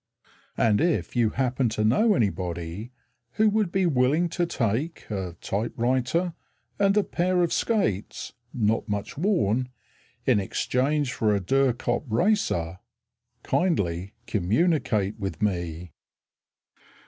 And if you happen to know anybody Who would be willing to take A typewriter and a pair of skates (not much worn) In exchange for a Durkopp racer, Kindly communicate with me.